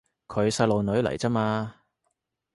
佢細路女嚟咋嘛